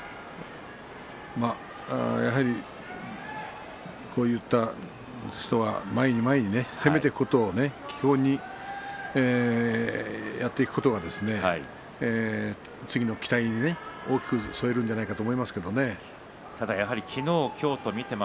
まあやっぱりこういった人は前に前に攻めていくことを基本にやっていくことが次への期待に大きく沿えるんじゃないかと思いますがね。